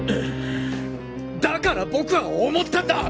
だから僕は思ったんだ！！